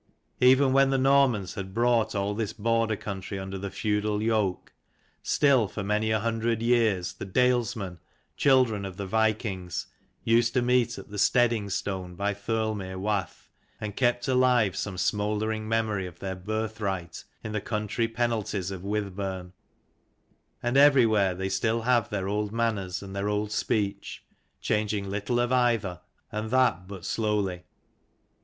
Even when the Normans had brought all this border country under the feudal yoke, still for many a hundred years the dalesmen, children of the vikings, used to meet at the Steading stone by Thirl mere wath, and kept alive some smouldering memory of their birthright in the country Penalties of Wythburn. And everywhere they still have their old manners and their old speech, changing little of either, and that but slowly.